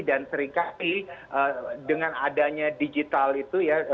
dan seringkali dengan adanya digital itu ya